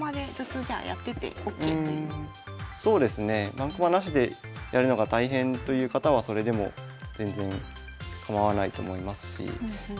盤駒なしでやるのが大変という方はそれでも全然構わないと思いますし。